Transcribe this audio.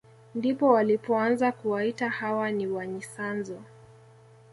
Ndipo walipoanza kuwaita hawa ni wanyisanzu